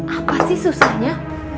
apa sih susahnya